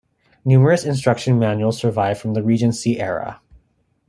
Numerous instruction manuals survive from the Regency era.